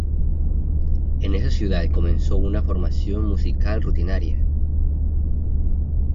En esa ciudad comenzó una formación musical rutinaria.